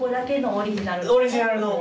オリジナルの。